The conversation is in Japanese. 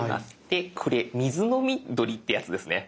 でこれ水飲み鳥ってやつですね。